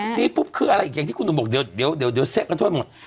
แล้วก็ขั้นหลังจากนี้ปุ๊บคืออะไรอีกอย่างที่คุณหนูบอกเดี๋ยวเดี๋ยวเดี๋ยวเสร็จกันทุกอย่างหมด